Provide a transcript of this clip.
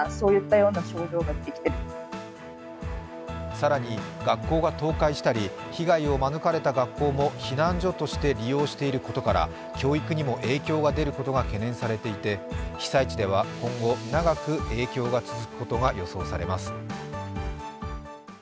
更に、学校が倒壊したり被害を免れた学校も避難所として利用していることから教育にも影響が出ることが懸念されていて被災地では今後、長く影響が続くことが予想されます。